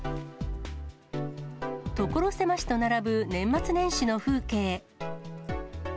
所狭しと並ぶ年末年始の風景。